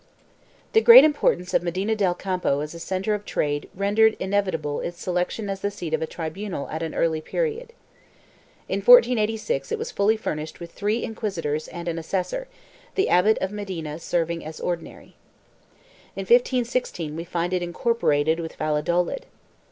The great importance of Medina del Campo as a centre of trade rendered inevitable its selection as the seat of a tri bunal at an early period. In 1486 it was fully furnished with three inquisitors and an assessor, the Abbot of Medina serving as Ordinary. In 1516 we find it incorporated with Valladolid.